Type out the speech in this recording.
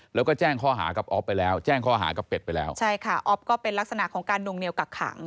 แล้วก็แจ้งข้อหากับอ๊อฟไปแล้วแจ้งข้อหากับเป็ดไปแล้วใช่ค่ะอ๊อฟก็เป็นลักษณะของการนวงเหนียวกักขัง